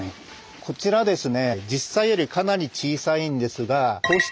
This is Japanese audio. こちらですね